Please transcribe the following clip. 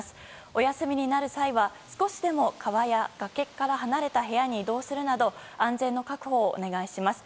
お休みになる際は少しでも川や崖から離れた部屋に移動するなど安全の確保をお願いします。